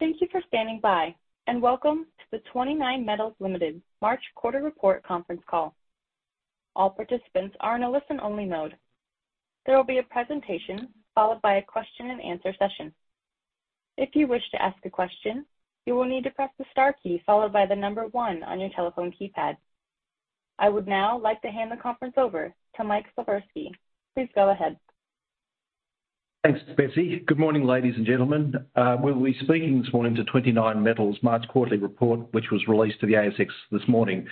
Thank you for standing by. Welcome to the 29Metals Limited March Quarter Report Conference Call. All participants are in a listen-only mode. There will be a presentation followed by a question-and-answer session. If you wish to ask a question, you will need to press the star key followed by one on your telephone keypad. I would now like to hand the conference over to Mike Slifirski. Please go ahead. Thanks, Betsy. Good morning, ladies and gentlemen. We'll be speaking this morning to 29Metals March quarterly report, which was released to the ASX this morning.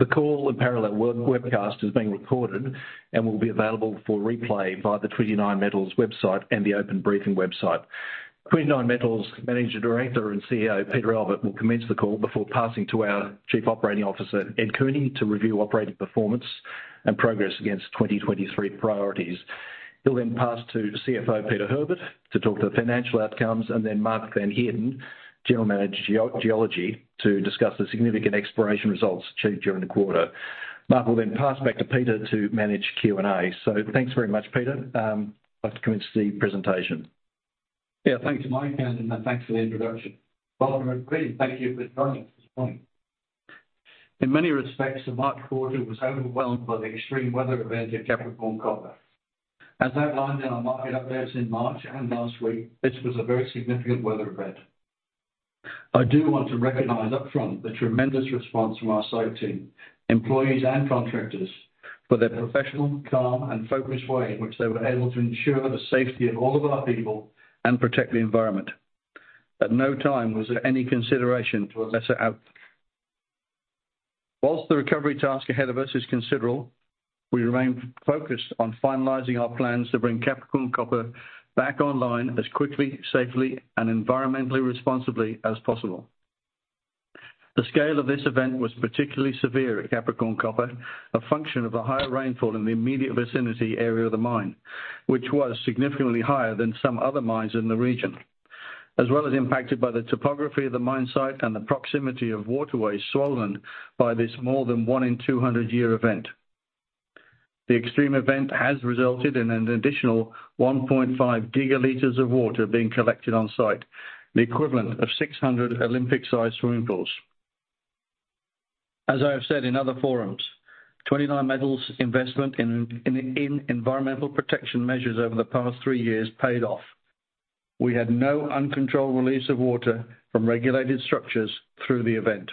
The call and parallel webcast is being recorded and will be available for replay via the 29Metals website and the Open Briefing website. 29Metals Managing Director and CEO, Peter Albert, will commence the call before passing to our Chief Operating Officer, Ed Cooney, to review operating performance and progress against 2023 priorities. He'll pass to CFO, Peter Herbert, to talk to the financial outcomes, Mark van Heerden, General Manager of Geology, to discuss the significant exploration results achieved during the quarter. Mark will pass back to Peter to manage Q&A. Thanks very much, Peter. Like to commence the presentation. Yeah. Thanks, Mike, and thanks for the introduction. Welcome, everyone. Thank you for joining us this morning. In many respects, the March quarter was overwhelmed by the extreme weather event at Capricorn Copper. As outlined in our market updates in March and last week, this was a very significant weather event. I do want to recognize upfront the tremendous response from our site team, employees and contractors, for their professional, calm, and focused way in which they were able to ensure the safety of all of our people and protect the environment. At no time was there any consideration to a lesser outcome. Whilst the recovery task ahead of us is considerable, we remain focused on finalizing our plans to bring Capricorn Copper back online as quickly, safely, and environmentally responsibly as possible. The scale of this event was particularly severe at Capricorn Copper, a function of the higher rainfall in the immediate vicinity area of the mine, which was significantly higher than some other mines in the region, as well as impacted by the topography of the mine site and the proximity of waterways swollen by this more than one in 200 year event. The extreme event has resulted in an additional 1.5 gigalitres of water being collected on-site, the equivalent of 600 Olympic-sized swimming pools. As I have said in other forums, 29Metals' investment in environmental protection measures over the past three years paid off. We had no uncontrolled release of water from regulated structures through the event.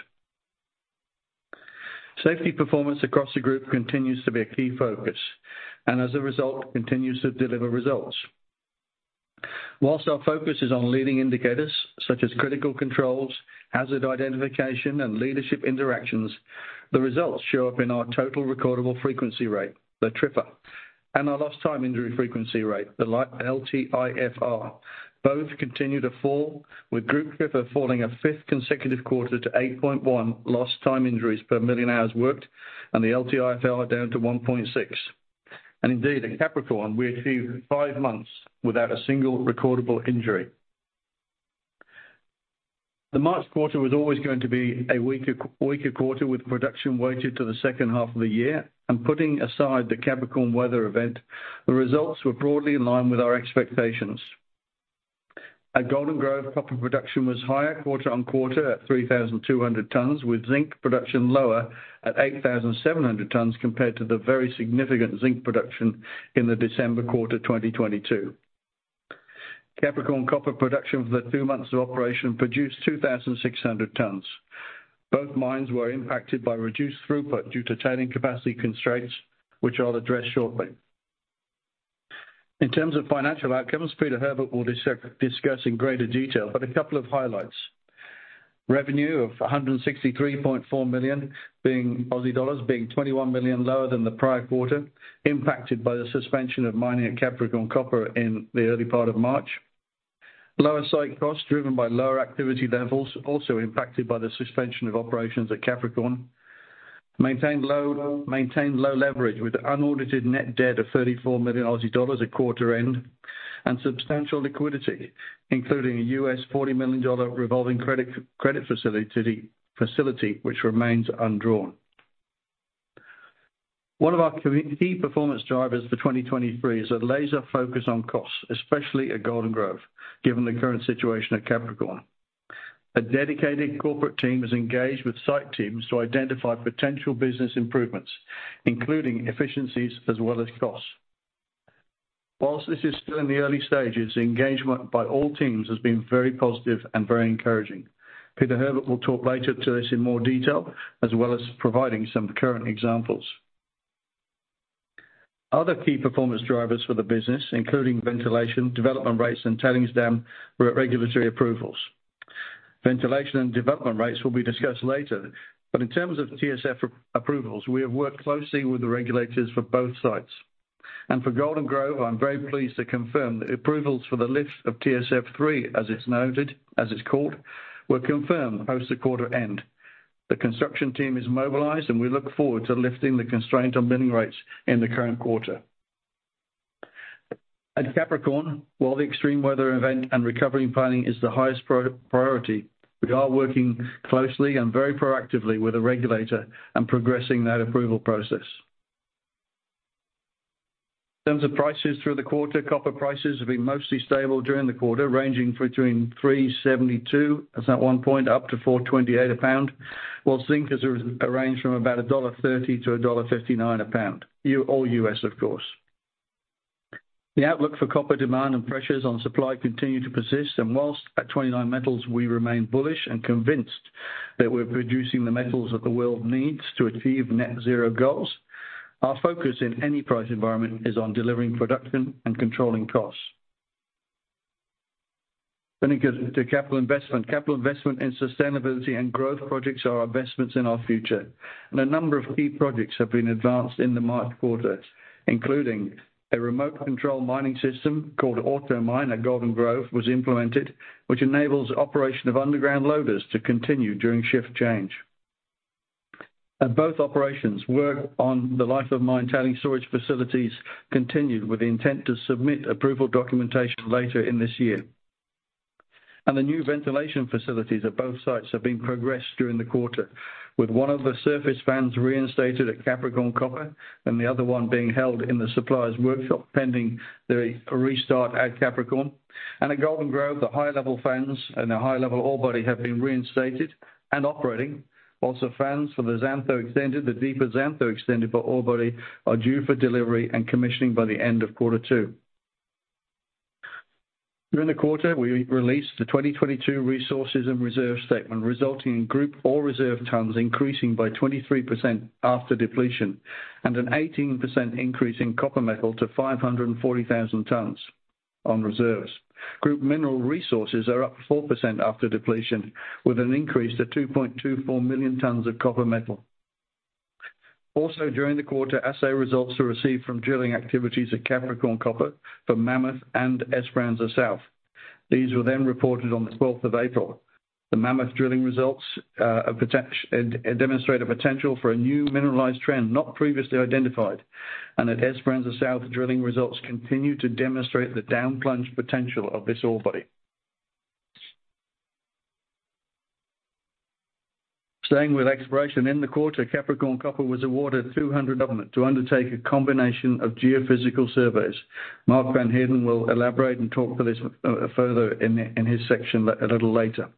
Safety performance across the group continues to be a key focus and as a result continues to deliver results. Whilst our focus is on leading indicators such as critical controls, hazard identification, and leadership interactions, the results show up in our total recordable frequency rate, the TRIFR, and our lost time injury frequency rate, the LTIFR, both continue to fall with group TRIFR falling a fifth consecutive quarter to 8.1 last time injuries per million hours worked and the LTIFR down to 1.6. Indeed, at Capricorn, we achieved five months without a single recordable injury. The March quarter was always going to be a weaker quarter with production weighted to the second half of the year. Putting aside the Capricorn weather event, the results were broadly in line with our expectations. At Golden Grove, copper production was higher quarter on quarter at 3,200 tons, with zinc production lower at 8,700 tons compared to the very significant zinc production in the December quarter, 2022. Capricorn Copper production for the two months of operation produced 2,600 tons. Both mines were impacted by reduced throughput due to tailing capacity constraints, which I'll address shortly. In terms of financial outcomes, Peter Herbert will discuss in greater detail, but a couple of highlights. Revenue of 163.4 million being, Aussie dollars, being 21 million lower than the prior quarter, impacted by the suspension of mining at Capricorn Copper in the early part of March. Lower site costs driven by lower activity levels, also impacted by the suspension of operations at Capricorn. Maintained low leverage with unaudited net debt of 34 million Aussie dollars a quarter end and substantial liquidity, including a $40 million revolving credit facility, which remains undrawn. One of our key performance drivers for 2023 is a laser focus on costs, especially at Golden Grove, given the current situation at Capricorn. A dedicated corporate team is engaged with site teams to identify potential business improvements, including efficiencies as well as costs. While this is still in the early stages, engagement by all teams has been very positive and very encouraging. Peter Herbert will talk later to this in more detail, as well as providing some current examples. Other key performance drivers for the business, including ventilation, development rates, and tailings dam, were at regulatory approvals. Ventilation and development rates will be discussed later. In terms of TSF approvals, we have worked closely with the regulators for both sites. For Golden Grove, I'm very pleased to confirm that approvals for the lift of TSF3, as it's noted, as it's called, were confirmed post the quarter end. The construction team is mobilized, and we look forward to lifting the constraint on mining rates in the current quarter. At Capricorn, while the extreme weather event and recovery planning is the highest priority, we are working closely and very proactively with the regulator and progressing that approval process. In terms of prices through the quarter, copper prices have been mostly stable during the quarter, ranging between $3.72, as at one point, up to $4.28 a pound, whilst zinc has ranged from about $1.30-$1.59 a pound. All U.S., of course. The outlook for copper demand and pressures on supply continue to persist. Whilst at 29Metals, we remain bullish and convinced that we're producing the metals that the world needs to achieve net zero goals. Our focus in any price environment is on delivering production and controlling costs. It goes to capital investment. Capital investment in sustainability and growth projects are our investments in our future. A number of key projects have been advanced in the March quarter, including a remote control mining system called AutoMine at Golden Grove, was implemented, which enables operation of underground loaders to continue during shift change. At both operations, work on the life of mine tailings storage facilities continued with the intent to submit approval documentation later in this year. The new ventilation facilities at both sites have been progressed during the quarter, with one of the surface fans reinstated at Capricorn Copper and the other one being held in the supplier's workshop pending the restart at Capricorn. At Golden Grove, the high-level fans and the high-level ore body have been reinstated and operating. Fans for the Xantho Extended, the deeper Xantho Extended ore body are due for delivery and commissioning by the end of quarter two. During the quarter, we released the 2022 resources and reserve statement, resulting in Group Ore reserve tons increasing by 23% after depletion and an 18% increase in copper metal to 540,000 tons on reserves. Group mineral resources are up 4% after depletion, with an increase to 2.24 million tons of copper metal. During the quarter, assay results were received from drilling activities at Capricorn Copper for Mammoth and Esperanza South. These were reported on the 12th of April. The Mammoth drilling results demonstrate a potential for a new mineralized trend not previously identified. At Esperanza South, drilling results continue to demonstrate the down plunge potential of this ore body. Staying with exploration in the quarter, Capricorn Copper was awarded 200 government to undertake a combination of geophysical surveys. Mark van Heerden will elaborate and talk to this further in his section a little later.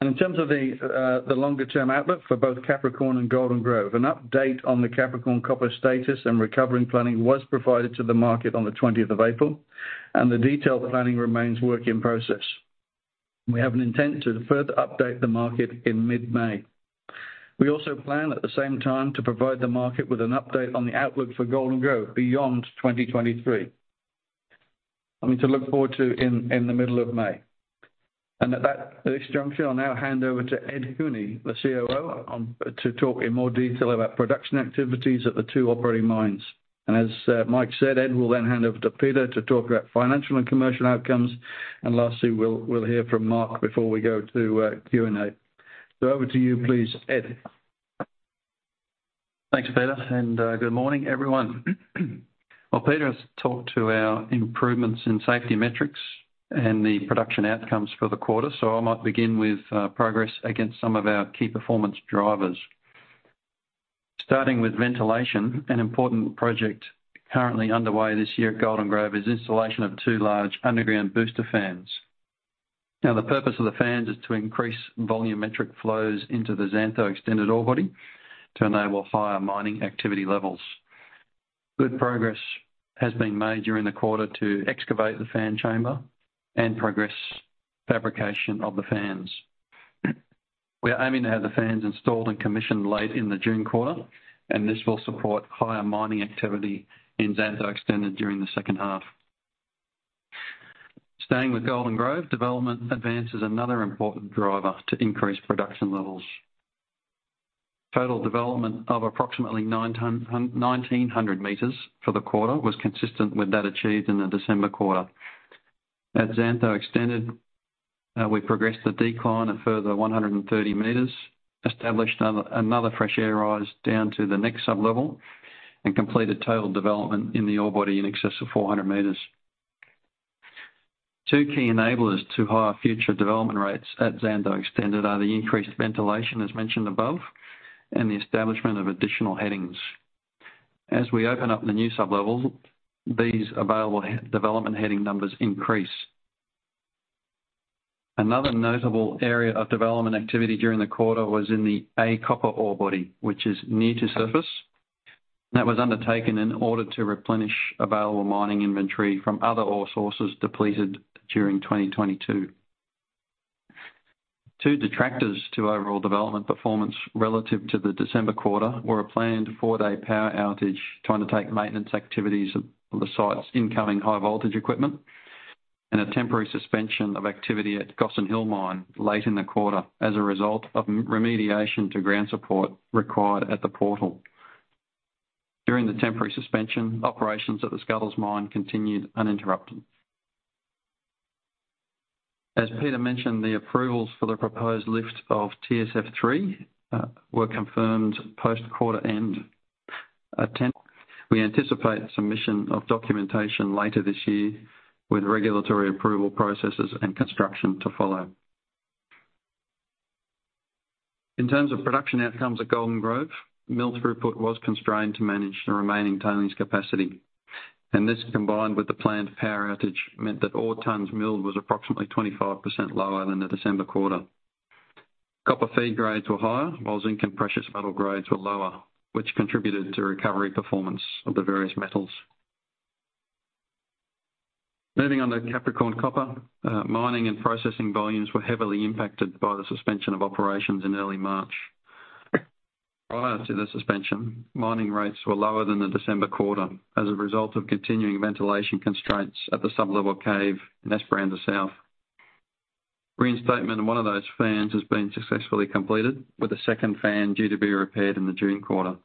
In terms of the longer-term outlook for both Capricorn and Golden Grove, an update on the Capricorn Copper status and recovering planning was provided to the market on the 20th of April, and the detailed planning remains work in process. We have an intent to further update the market in mid-May. We also plan at the same time to provide the market with an update on the outlook for Golden Grove beyond 2023. Something to look forward to in the middle of May. At that, at this juncture, I'll now hand over to Ed Cooney, the COO, to talk in more detail about production activities at the two operating mines. As Mike said, Ed will then hand over to Peter to talk about financial and commercial outcomes. Lastly, we'll hear from Mark before we go to Q&A. Over to you, please, Ed. Thanks, Peter, and good morning, everyone. Peter has talked to our improvements in safety metrics and the production outcomes for the quarter, so I might begin with progress against some of our key performance drivers. Starting with ventilation, an important project currently underway this year at Golden Grove is installation of two large underground booster fans. The purpose of the fans is to increase volumetric flows into the Xantho Extended ore body to enable higher mining activity levels. Good progress has been made during the quarter to excavate the fan chamber and progress fabrication of the fans. We are aiming to have the fans installed and commissioned late in the June quarter, and this will support higher mining activity in Xantho Extended during the second half. Staying with Golden Grove, development advances another important driver to increase production levels. Total development of approximately 1,900 m for the quarter was consistent with that achieved in the December quarter. At Xantho Extended, we progressed the decline a further 130 m, established another fresh air rise down to the next sub-level, and completed total development in the ore body in excess of 400 m. Two key enablers to higher future development rates at Xantho Extended are the increased ventilation, as mentioned above, and the establishment of additional headings. We open up the new sub-level, these available development heading numbers increase. Another notable area of development activity during the quarter was in the a copper ore body, which is near to surface. That was undertaken in order to replenish available mining inventory from other ore sources depleted during 2022. Two detractors to overall development performance relative to the December quarter were a planned four-day power outage trying to take maintenance activities of the site's incoming high voltage equipment and a temporary suspension of activity at Gossan Hill mine late in the quarter as a result of remediation to ground support required at the portal. During the temporary suspension, operations at the Scuddles mine continued uninterrupted. As Peter mentioned, the approvals for the proposed lift of TSF3 were confirmed post-quarter end. At 10, we anticipate submission of documentation later this year with regulatory approval processes and construction to follow. In terms of production outcomes at Golden Grove, mill throughput was constrained to manage the remaining tailings capacity. This, combined with the planned power outage, meant that ore tons milled was approximately 25% lower than the December quarter. Copper feed grades were higher, while zinc and precious metal grades were lower, which contributed to recovery performance of the various metals. Moving on to Capricorn Copper, mining and processing volumes were heavily impacted by the suspension of operations in early March. Prior to the suspension, mining rates were lower than the December quarter as a result of continuing ventilation constraints at the sub-level cave in Esperanza South. Reinstatement in one of those fans has been successfully completed, with a second fan due to be repaired in the June quarter.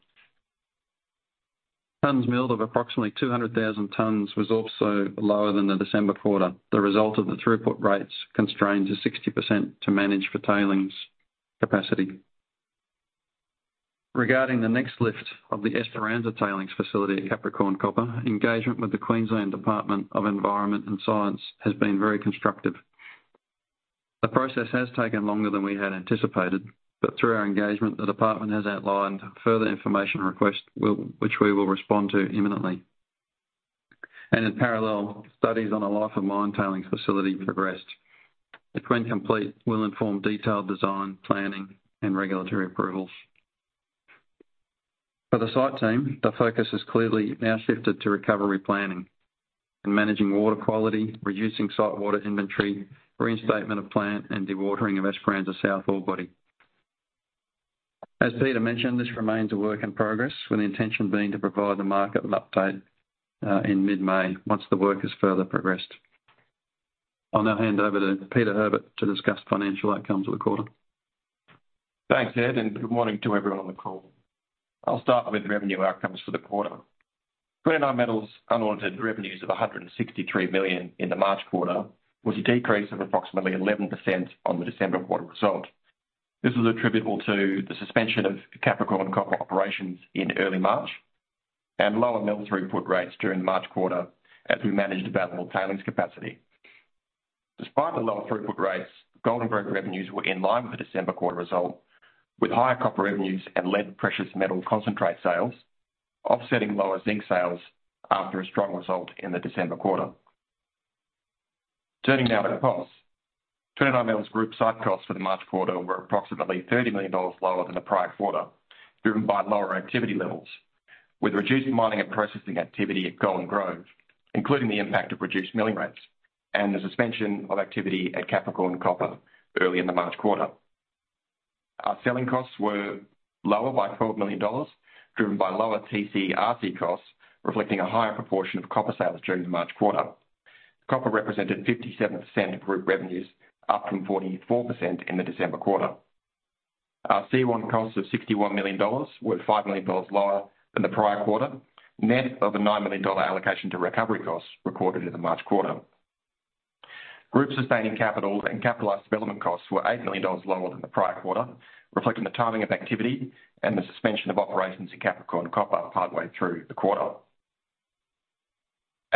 Tons milled of approximately 200,000 tons was also lower than the December quarter, the result of the throughput rates constrained to 60% to manage for tailings capacity. Regarding the next lift of the Esperanza Tailings Facility at Capricorn Copper, engagement with the Queensland Department of Environment and Science has been very constructive. The process has taken longer than we had anticipated, but through our engagement, the department has outlined further information request which we will respond to imminently. In parallel, studies on a life of mine tailings facility progressed, which when complete, will inform detailed design, planning and regulatory approvals. For the site team, the focus has clearly now shifted to recovery planning and managing water quality, reducing site water inventory, reinstatement of plant, and dewatering of Esperanza South ore body. As Peter mentioned, this remains a work in progress, with the intention being to provide the market with update in mid-May once the work has further progressed. I'll now hand over to Peter Herbert to discuss financial outcomes for the quarter. Thanks, Ed, and good morning to everyone on the call. I'll start with revenue outcomes for the quarter. 29Metals unaudited revenues of 163 million in the March quarter was a decrease of approximately 11% on the December quarter result. This is attributable to the suspension of Capricorn Copper operations in early March and lower mill throughput rates during the March quarter as we managed available tailings capacity. Despite the lower throughput rates, Golden Grove revenues were in line with the December quarter result, with higher copper revenues and lead precious metal concentrate sales offsetting lower zinc sales after a strong result in the December quarter. Turning now to costs. 29Metals group site costs for the March quarter were approximately 30 million dollars lower than the prior quarter, driven by lower activity levels, with reduced mining and processing activity at Golden Grove, including the impact of reduced milling rates and the suspension of activity at Capricorn Copper early in the March quarter. Our selling costs were lower by 12 million dollars, driven by lower TC, RC costs, reflecting a higher proportion of copper sales during the March quarter. Copper represented 57% of group revenues, up from 44% in the December quarter. Our C1 costs of 61 million dollars were 5 million dollars lower than the prior quarter, net of an 9 million dollar allocation to recovery costs recorded in the March quarter. Group sustaining capital and capitalized development costs were 8 million dollars lower than the prior quarter, reflecting the timing of activity and the suspension of operations in Capricorn Copper partway through the quarter.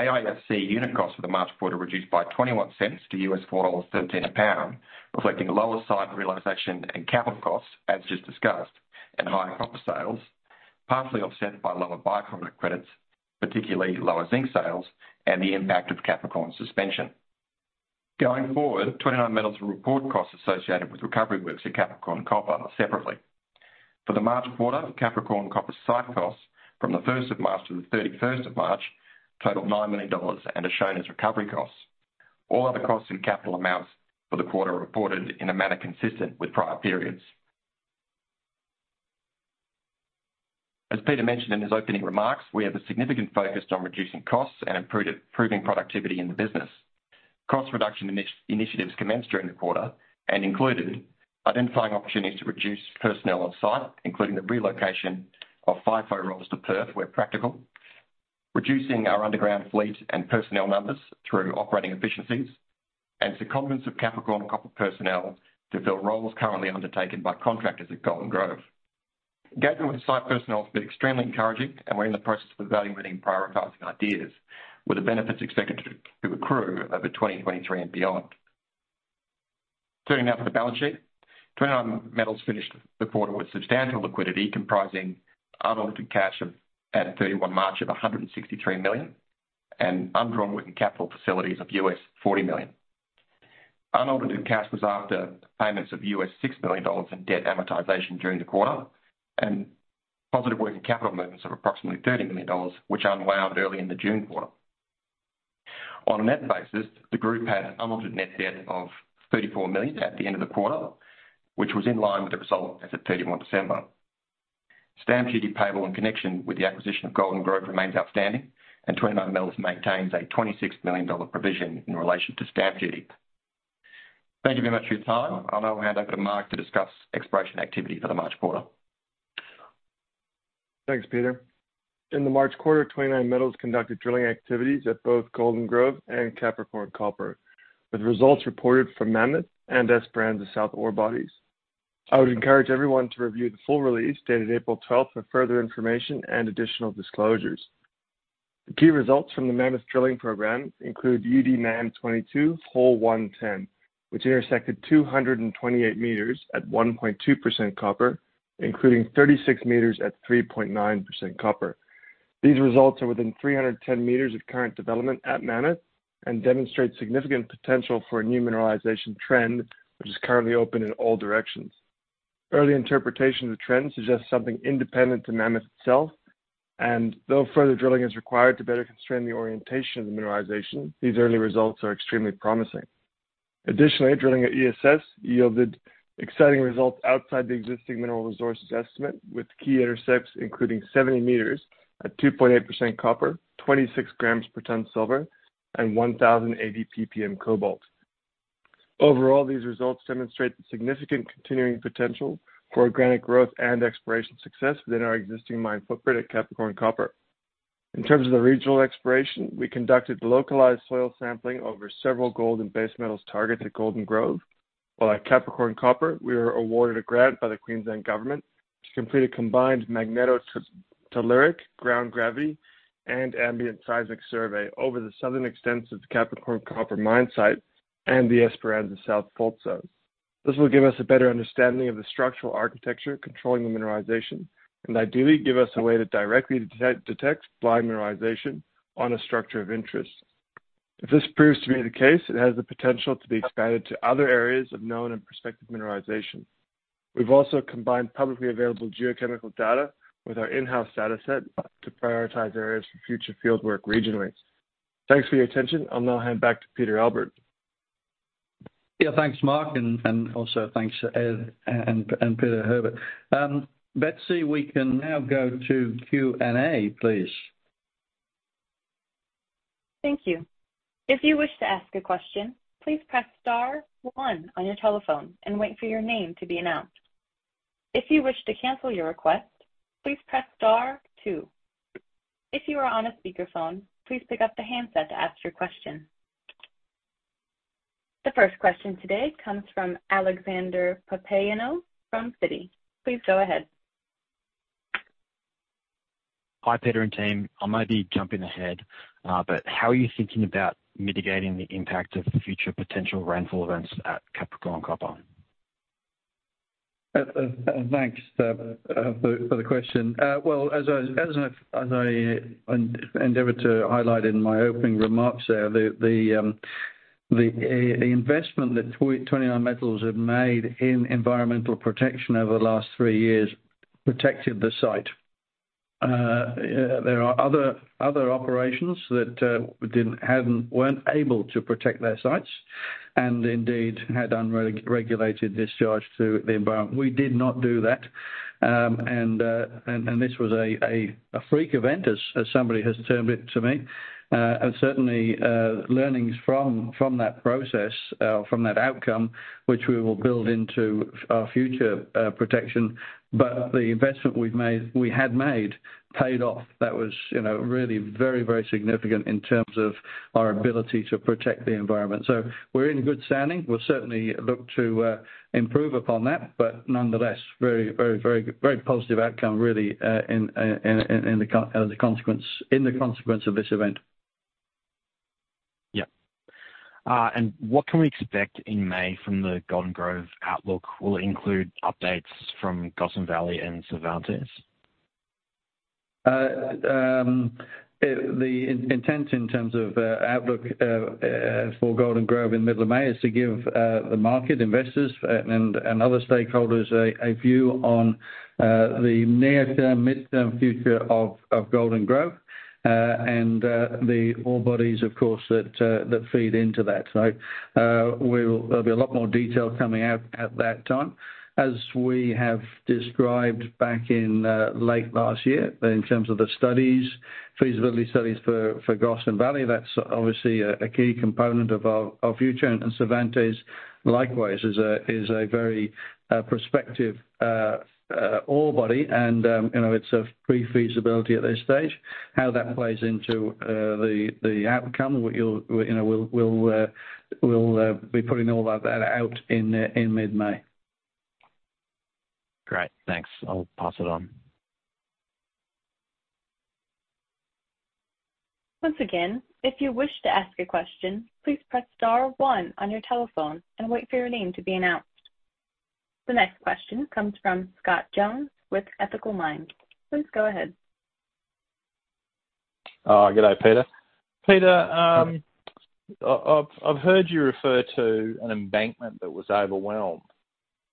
AISC unit cost for the March quarter reduced by $0.21 to U.S. $4.13 a pound, reflecting lower site realization and capital costs, as just discussed, and higher copper sales, partially offset by lower by-product credits, particularly lower zinc sales and the impact of Capricorn suspension. Going forward, 29Metals will report costs associated with recovery works at Capricorn Copper separately. For the March quarter, Capricorn Copper site costs from the 1st of March to the 31st of March totaled $9 million and is shown as recovery costs. All other costs and capital amounts for the quarter are reported in a manner consistent with prior periods. As Peter mentioned in his opening remarks, we have a significant focus on reducing costs and improving productivity in the business. Cost reduction initiatives commenced during the quarter and included identifying opportunities to reduce personnel on site, including the relocation of FIFO roles to Perth, where practical, reducing our underground fleet and personnel numbers through operating efficiencies, and secondments of Capricorn Copper personnel to fill roles currently undertaken by contractors at Golden Grove. Engagement with site personnel has been extremely encouraging, and we're in the process of evaluating and prioritizing ideas, with the benefits expected to accrue over 2023 and beyond. Turning now to the balance sheet. 29Metals finished the quarter with substantial liquidity comprising unaudited cash at March 31 of 163 million and undrawn working capital facilities of $40 million. Unaudited cash was after payments of $6 million in debt amortization during the quarter and positive working capital movements of approximately 30 million dollars, which are unwound early in the June quarter. On a net basis, the group had unaudited net debt of 34 million at the end of the quarter, which was in line with the result as at 31 December. Stamp duty payable in connection with the acquisition of Golden Grove remains outstanding, and 29Metals maintains a 26 million dollar provision in relation to stamp duty. Thank you very much for your time. I'll now hand over to Mark to discuss exploration activity for the March quarter. Thanks, Peter. In the March quarter, 29Metals conducted drilling activities at both Golden Grove and Capricorn Copper, with results reported from Mammoth and Esperanza South ore bodies. I would encourage everyone to review the full release dated April 12th for further information and additional disclosures. The key results from the Mammoth drilling program include UDMAMM22_110, which intersected 228 m at 1.2% copper, including 36 m at 3.9% copper. These results are within 310 m of current development at Mammoth and demonstrate significant potential for a new mineralization trend, which is currently open in all directions. Early interpretation of the trend suggests something independent to Mammoth itself, and though further drilling is required to better constrain the orientation of the mineralization, these early results are extremely promising. Additionally, drilling at ESS yielded exciting results outside the existing mineral resources estimate, with key intercepts including 70 m at 2.8% copper, 26 grams per ton silver, and 1,080 PPM cobalt. Overall, these results demonstrate the significant continuing potential for organic growth and exploration success within our existing mine footprint at Capricorn Copper. In terms of the regional exploration, we conducted localized soil sampling over several gold and base metals targets at Golden Grove. While at Capricorn Copper, we were awarded a grant by the Queensland Government to complete a combined magnetotelluric ground gravity and ambient seismic survey over the southern extents of the Capricorn Copper mine site and the Esperanza South fault zone. This will give us a better understanding of the structural architecture controlling the mineralization and ideally give us a way to directly detect blind mineralization on a structure of interest. If this proves to be the case, it has the potential to be expanded to other areas of known and prospective mineralization. We've also combined publicly available geochemical data with our in-house data set to prioritize areas for future field work regionally. Thanks for your attention. I'll now hand back to Peter Albert. Yeah, thanks, Mark, and also thanks to Ed and Peter Herbert. let's see. We can now go to Q&A, please. Thank you. If you wish to ask a question, please press star one on your telephone and wait for your name to be announced. If you wish to cancel your request, please press star two. If you are on a speakerphone, please pick up the handset to ask your question. The first question today comes from Alexander Papaioanou from Citi. Please go ahead. Hi, Peter and team. I might be jumping ahead, how are you thinking about mitigating the impact of future potential rainfall events at Capricorn Copper? Thanks for the question. Well, as I endeavor to highlight in my opening remarks there, the investment that 29Metals have made in environmental protection over the last three years protected the site. There are other operations that didn't, hadn't, weren't able to protect their sites and indeed had unregulated discharge to the environment. We did not do that. This was a freak event, as somebody has termed it to me. Certainly, learnings from that process, from that outcome, which we will build into our future protection. The investment we had made paid off. That was, you know, really very significant in terms of our ability to protect the environment. We're in good standing. We'll certainly look to improve upon that. Nonetheless, very positive outcome really, in the consequence of this event. Yeah. What can we expect in May from the Golden Grove outlook? Will it include updates from Gossan Valley and Cervantes? outlook for Golden Grove in middle of May is to give the market investors and other stakeholders a view on the near term, mid-term future of Golden Grove and the ore bodies, of course, that feed into that. There will be a lot more detail coming out at that time. As we have described back in late last year, in terms of the studies, feasibility studies for Gossan Valley, that's obviously a key component of our future. Cervantes likewise is a very prospective ore body and, you know, it's a pre-feasibility at this stage, how that plays into the outcome. We'll, you know, we'll be putting all that out in mid-May. Great. Thanks. I'll pass it on. Once again, if you wish to ask a question, please press star one on your telephone and wait for your name to be announced. The next question comes from Scott Jones with Ethical Mind. Please go ahead. Good day, Peter, I've heard you refer to an embankment that was overwhelmed,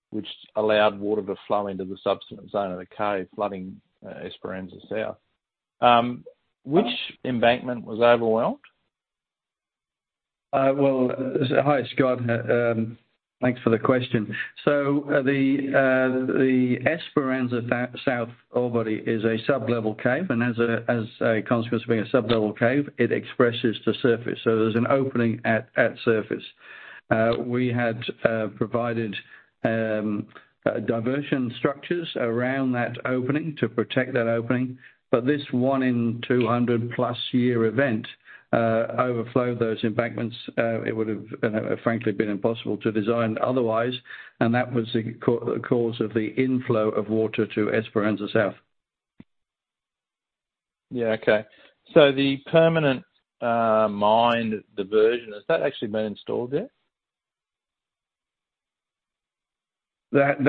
which allowed water to flow into the subsidence zone of the cave, flooding Esperanza South. Which embankment was overwhelmed? Well, hi, Scott. Thanks for the question. The Esperanza South ore body is a sublevel caving, and as a consequence of being a sublevel caving, it expresses to surface. There's an opening at surface. We had provided diversion structures around that opening to protect that opening. This one in 200+ year event overflow those embankments. It would have, frankly, been impossible to design otherwise, and that was the cause of the inflow of water to Esperanza South. Yeah. Okay. The permanent mine diversion, has that actually been installed yet? That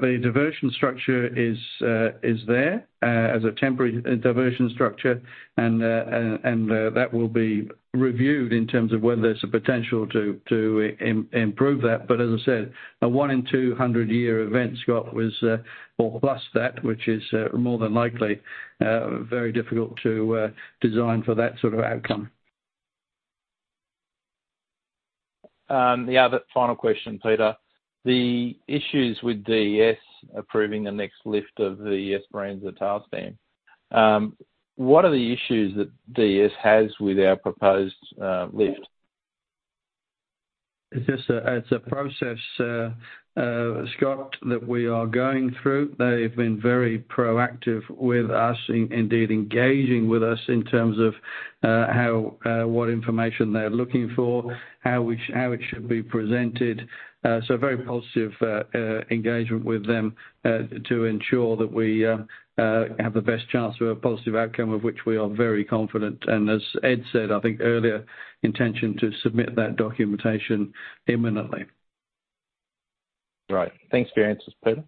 the diversion structure is there as a temporary diversion structure, and that will be reviewed in terms of whether there's a potential to improve that. As I said, a one in 200 year event, Scott, was or plus that, which is more than likely very difficult to design for that sort of outcome. The other final question, Peter. The issues with DES approving the next lift of the Esperanza tailings dam. What are the issues that DES has with our proposed lift? It's just a process, Scott, that we are going through. They've been very proactive with us, indeed engaging with us in terms of, how, what information they're looking for, how it should be presented. Very positive engagement with them, to ensure that we have the best chance of a positive outcome, of which we are very confident. As Ed said, I think earlier, intention to submit that documentation imminently. Right. Thanks for your answers, Peter.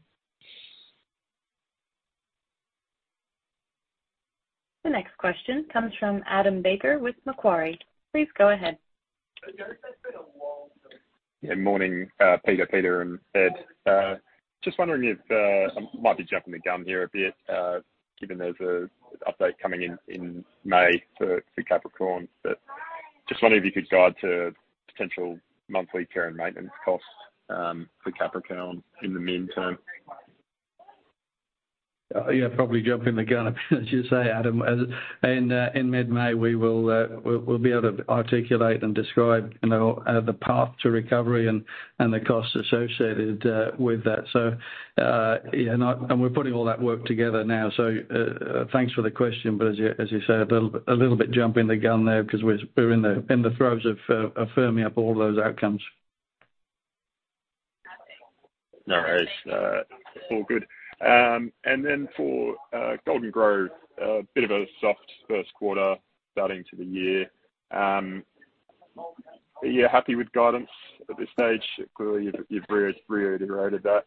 The next question comes from Adam Baker with Macquarie. Please go ahead. Yeah. Morning, Peter and Ed. Just wondering if I might be jumping the gun here a bit, given there's a update coming in May for Capricorn. Just wondering if you could guide to potential monthly care and maintenance costs for Capricorn in the meantime. Yeah, probably jumping the gun, as you say, Adam. As in mid-May, we will, we'll be able to articulate and describe, you know, the path to recovery and the costs associated with that. So, yeah, not. We're putting all that work together now. Thanks for the question, as you say, a little bit jumping the gun there because we're in the throes of firming up all those outcomes. No worries. All good. Then for Golden Grove, a bit of a soft first quarter starting to the year. Are you happy with guidance at this stage? Clearly, you've reiterated that.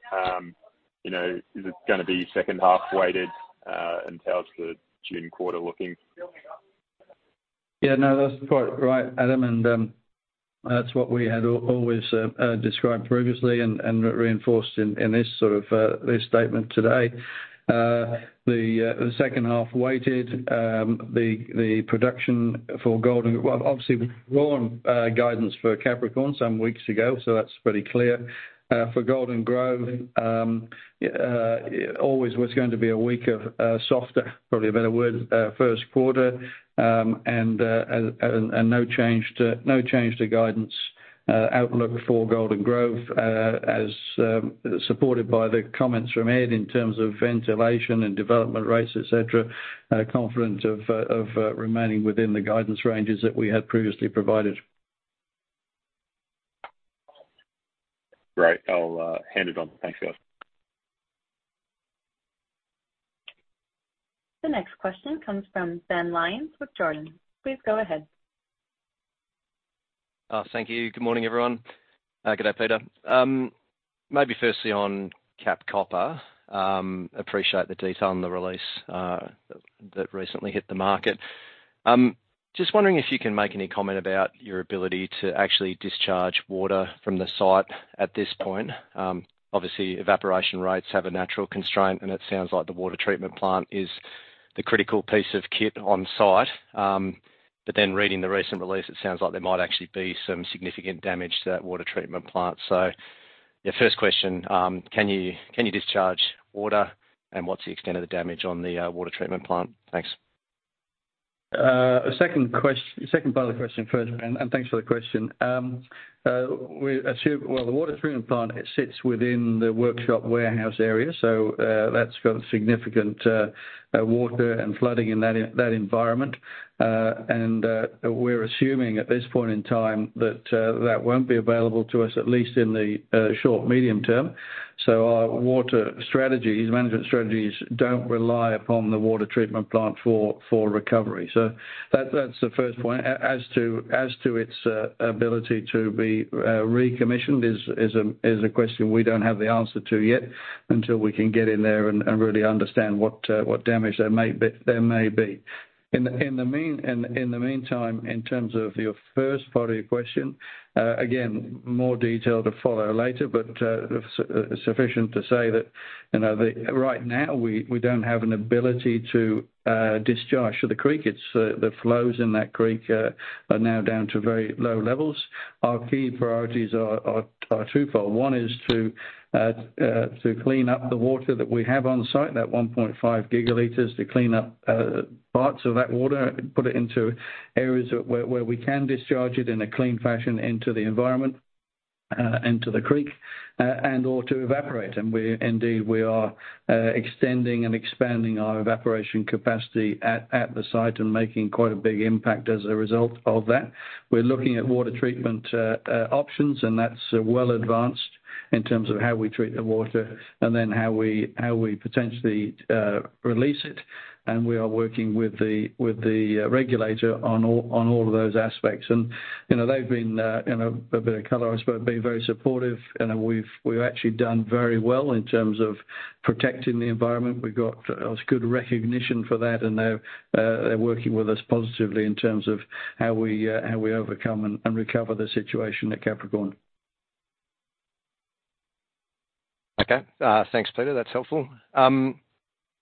You know, is it gonna be second half weighted, and how's the June quarter looking? Yeah, no, that's quite right, Adam, and that's what we had always described previously and reinforced in this sort of this statement today. The second half weighted the production for Golden. Well, obviously, we lowered guidance for Capricorn some weeks ago, so that's pretty clear. For Golden Grove always was going to be a weaker, softer, probably a better word, first quarter. No change to guidance outlook for Golden Grove as supported by the comments from Ed in terms of ventilation and development rates, et cetera. Confident of remaining within the guidance ranges that we had previously provided. Great. I'll hand it on. Thanks, guys. The next question comes from Ben Lyons with Jarden. Please go ahead. Thank you. Good morning, everyone. Good day, Peter. Maybe firstly on Cap Copper, appreciate the detail on the release that recently hit the market. Just wondering if you can make any comment about your ability to actually discharge water from the site at this point. Obviously, evaporation rates have a natural constraint, and it sounds like the water treatment plant is the critical piece of kit on site. Reading the recent release, it sounds like there might actually be some significant damage to that water treatment plant. Yeah, first question, can you discharge water, and what's the extent of the damage on the water treatment plant? Thanks. Second part of the question first, Ben, and thanks for the question. We assume, well, the water treatment plant sits within the workshop warehouse area, so that's got significant water and flooding in that, in that environment. And we're assuming at this point in time that that won't be available to us, at least in the short, medium term. Our water strategies, management strategies don't rely upon the water treatment plant for recovery. That's the first point. As to its ability to be recommissioned is a question we don't have the answer to yet until we can get in there and really understand what damage there may be. In the meantime, in terms of your first part of your question, again, more detail to follow later, but sufficient to say that, you know, the, right now we don't have an ability to discharge to the creek. The flows in that creek are now down to very low levels. Our key priorities are twofold. One is to clean up the water that we have on site, that 1.5 gigaliters, to clean up parts of that water, put it into areas where we can discharge it in a clean fashion into the environment. Into the creek, and or to evaporate. Indeed, we are extending and expanding our evaporation capacity at the site and making quite a big impact as a result of that. We're looking at water treatment options. That's well advanced in terms of how we treat the water and then how we potentially release it. We are working with the regulator on all of those aspects. You know, they've been in a bit of color, I suppose, been very supportive. We've actually done very well in terms of protecting the environment. We've got good recognition for that. They're working with us positively in terms of how we overcome and recover the situation at Capricorn. Okay. Thanks, Peter. That's helpful.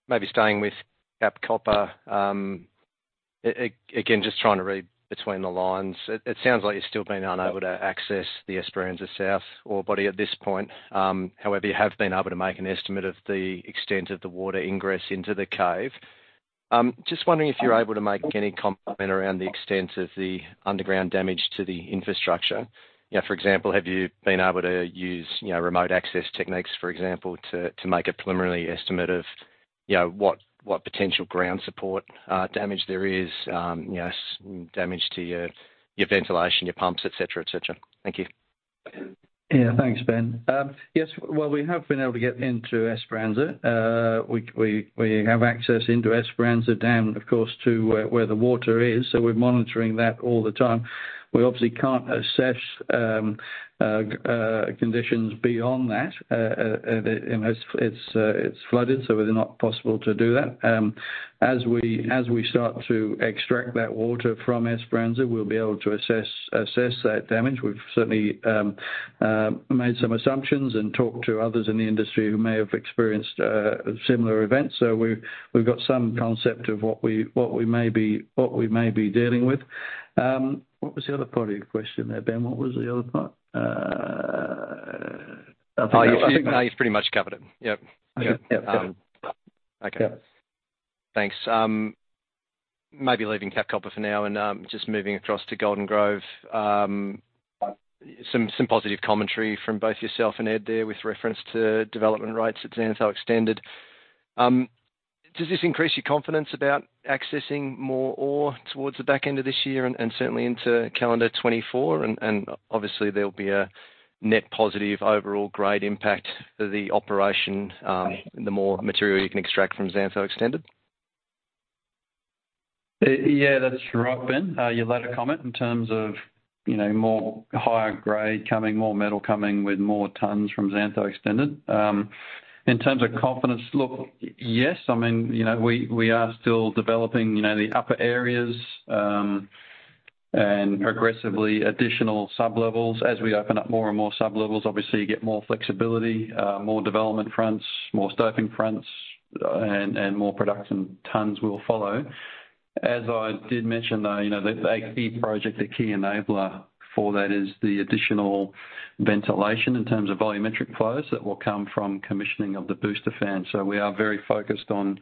Maybe staying with Cap Copper. Again, just trying to read between the lines. It sounds like you're still being unable to access the Esperanza South ore body at this point. However, you have been able to make an estimate of the extent of the water ingress into the cave. Just wondering if you're able to make any comment around the extent of the underground damage to the infrastructure. You know, for example, have you been able to use, you know, remote access techniques, for example, to make a preliminary estimate of, you know, what potential ground support damage there is, you know, damage to your ventilation, your pumps, et cetera, et cetera? Thank you. Yeah. Thanks, Ben. Yes, well, we have been able to get into Esperanza. We have access into Esperanza down, of course, to where the water is, so we're monitoring that all the time. We obviously can't assess conditions beyond that. And it's flooded, so it's not possible to do that. As we start to extract that water from Esperanza, we'll be able to assess that damage. We've certainly made some assumptions and talked to others in the industry who may have experienced similar events. We've got some concept of what we may be dealing with. What was the other part of your question there, Ben? What was the other part? No, you've pretty much covered it. Yep. Okay. Yeah. Okay. Thanks. Maybe leaving Capricorn Copper for now and just moving across to Golden Grove. Some positive commentary from both yourself and Ed there with reference to development rights at Xantho Extended. Does this increase your confidence about accessing more ore towards the back end of this year and certainly into calendar 2024? Obviously there'll be a net positive overall grade impact for the operation, the more material you can extract from Xantho Extended. Yeah, that's right, Ben. Your latter comment in terms of, you know, more higher grade coming, more metal coming with more tons from Xantho Extended. In terms of confidence, look, yes. I mean, you know, we are still developing, you know, the upper areas, and progressively additional sublevels. As we open up more and more sublevels, obviously, you get more flexibility, more development fronts, more stopping fronts, and more production tons will follow. As I did mention, though, you know, a key project, a key enabler for that is the additional ventilation in terms of volumetric flows that will come from commissioning of the booster fan. We are very focused on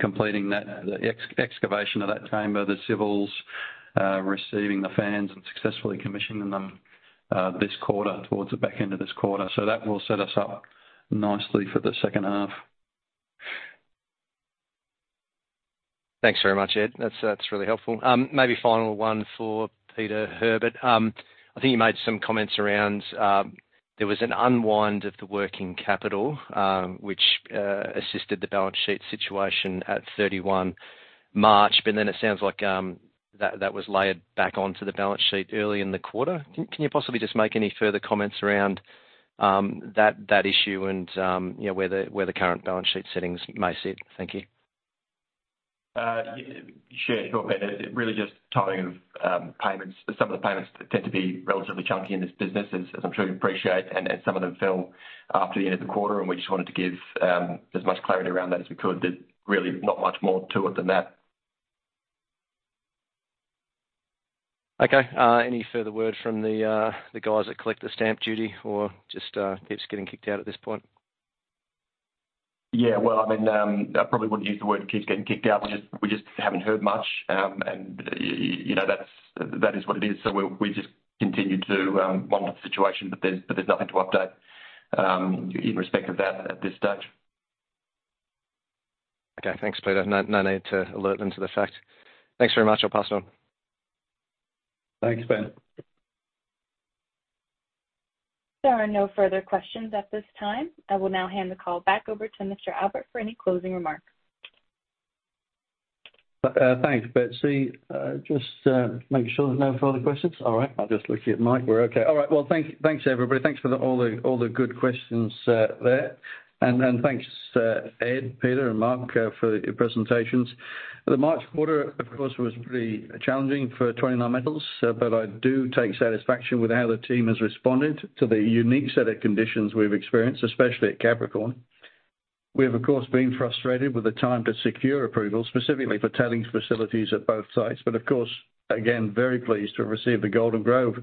completing that, the excavation of that chamber, the civils, receiving the fans and successfully commissioning them this quarter, towards the back end of this quarter. That will set us up nicely for the second half. Thanks very much, Ed. That's really helpful. Maybe final one for Peter Herbert. I think you made some comments around there was an unwind of the working capital, which assisted the balance sheet situation at 31 March. It sounds like that was layered back onto the balance sheet early in the quarter. Can you possibly just make any further comments around that issue and, you know, where the current balance sheet settings may sit? Thank you. Yeah, sure. Sure, Ben. It really just timing of payments. Some of the payments tend to be relatively chunky in this business, as I'm sure you appreciate, and some of them fell after the end of the quarter, and we just wanted to give as much clarity around that as we could. There's really not much more to it than that. Okay. Any further word from the guys that collect the stamp duty or just keeps getting kicked out at this point? Well, I mean, I probably wouldn't use the word keeps getting kicked out. We just haven't heard much. You know, that's, that is what it is. We just continue to monitor the situation, but there's nothing to update in respect of that at this stage. Okay. Thanks, Peter. No, no need to alert them to the fact. Thanks very much. I'll pass on. Thanks, Ben. There are no further questions at this time. I will now hand the call back over to Mr. Albert for any closing remarks. Thanks, Betsy. Just making sure there's no further questions. All right. I'll just look at Mike. We're okay. All right. Thanks everybody. Thanks for all the good questions there. Thanks, Ed, Peter and Mark, for your presentations. The March quarter, of course, was pretty challenging for 29Metals, but I do take satisfaction with how the team has responded to the unique set of conditions we've experienced, especially at Capricorn. We have, of course, been frustrated with the time to secure approval, specifically for tailings facilities at both sites. Of course, again, very pleased to have received the Golden Grove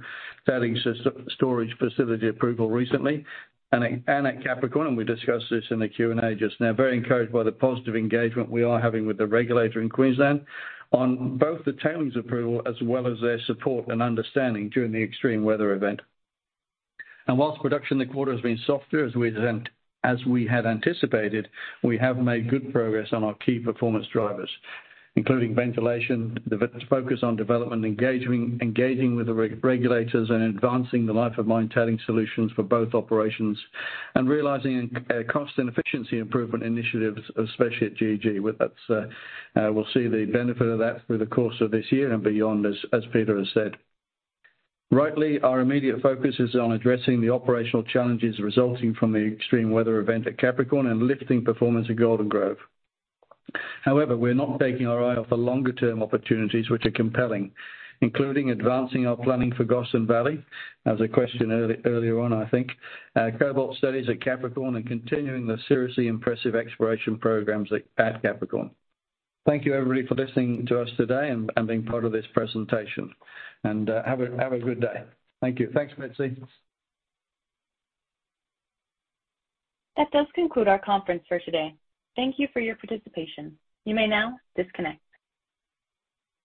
tailing system storage facility approval recently. And at Capricorn, and we discussed this in the Q&A just now. Very encouraged by the positive engagement we are having with the regulator in Queensland on both the tailings approval as well as their support and understanding during the extreme weather event. Whilst production in the quarter has been softer, as we had anticipated, we have made good progress on our key performance drivers, including ventilation, the focus on development, engaging with the regulators, and advancing the life of mine tailing solutions for both operations and realizing a cost and efficiency improvement initiatives, especially at GG. With that, we'll see the benefit of that through the course of this year and beyond, as Peter has said. Rightly, our immediate focus is on addressing the operational challenges resulting from the extreme weather event at Capricorn and lifting performance at Golden Grove. We're not taking our eye off the longer-term opportunities, which are compelling, including advancing our planning for Gossan Valley. That was a question earlier on, I think. cobalt studies at Capricorn and continuing the seriously impressive exploration programs at Capricorn. Thank you, everybody, for listening to us today and being part of this presentation. Have a good day. Thank you. Thanks, Betsy. That does conclude our conference for today. Thank you for your participation. You may now disconnect.